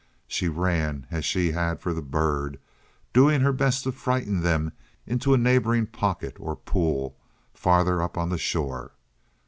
She ran as she had for the bird, doing her best to frighten them into a neighboring pocket or pool farther up on the shore.